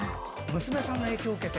娘さんの影響を受けて。